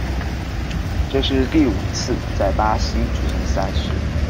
这是第五次在巴西举行赛事。